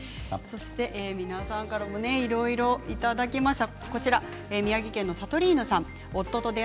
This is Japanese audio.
皆さんからもいろいろいただきました。